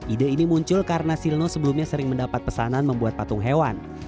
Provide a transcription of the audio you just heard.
ide ini muncul karena silno sebelumnya sering mendapat pesanan membuat patung hewan